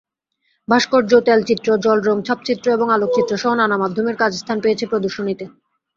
ভাস্কর্য, তেলচিত্র, জলরং, ছাপচিত্র এবং আলোকচিত্রসহ নানা মাধ্যমের কাজ স্থান পেয়েছে প্রদর্শনীতে।